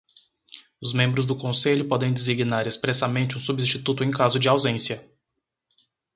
Os membros do Conselho podem designar expressamente um substituto em caso de ausência.